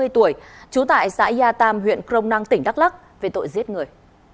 năm mươi tuổi trú tại xã gia tam huyện crong nang tỉnh đắk lắc về tội giết người